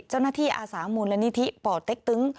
เจ้าหน้าที่อาสามูลและนิธิปเต๊กตึง